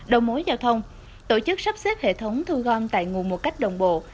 đầu mối giao thông tổ chức sắp xếp hệ thống thu gom tại nguồn một cách đồng bộ